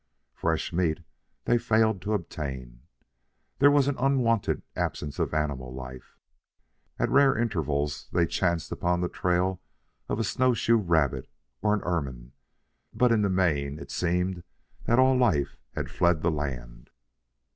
Fresh meat they failed to obtain. There was an unwonted absence of animal life. At rare intervals they chanced upon the trail of a snowshoe rabbit or an ermine; but in the main it seemed that all life had fled the land.